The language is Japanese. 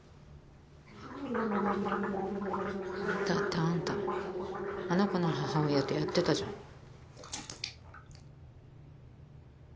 だってアンタあの子の母親とやってたじゃん。